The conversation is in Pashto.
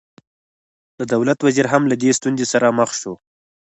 د دولت وزیر هم له دې ستونزې سره مخ شو.